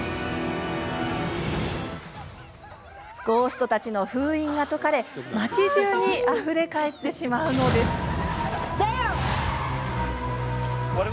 ゴーストたちの封印が解かれ町じゅうにあふれ返ってしまうのです。